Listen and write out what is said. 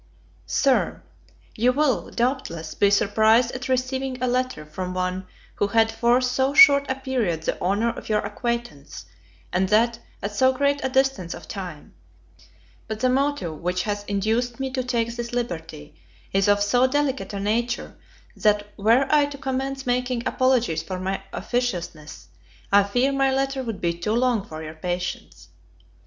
Sir, YOU will, doubtless, be surprised at receiving a letter from one who had for so short a period the honour of your acquaintance, and that at so great a distance of time; but the motive which has induced me to take this liberty is of so delicate a nature, that were I to commence making apologies for my officiousness, I fear my letter would be too long for your patience.